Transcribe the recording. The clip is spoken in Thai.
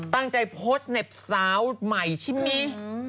ตั้งใจโพสต์เน็บสาวใหม่ใช่ไหม